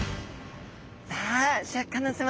さあシャーク香音さま